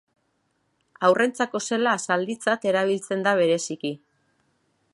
Haurrentzako zela zalditzat erabiltzen da bereziki.